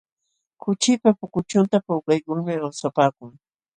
Kuchipa pukuchunta puukaykulmi awsapaakuu.